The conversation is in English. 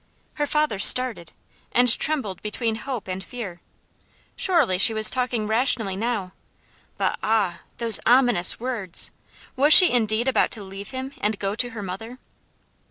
Her father started, and trembled between hope and fear. Surely she was talking rationally now; but ah! those ominous words! Was she indeed about to leave him, and go to her mother?